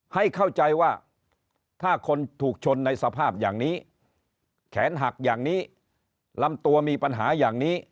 ให้เข้าใจว่าถ้าคนถูกชนในสภาพอย่างนี้แขนหักอย่างนี้ลำตัวมีปัญหาอย่างนี้